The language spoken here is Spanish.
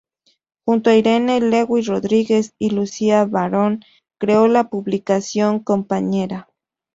Junto a Irene Lewy Rodríguez y Lucía Barón, creó la publicación “¡Compañera!